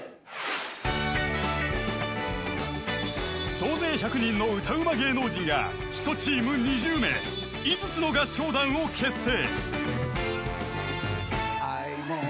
［総勢１００人の歌うま芸能人が１チーム２０名５つの合唱団を結成］